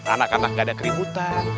anak anak gak ada keributan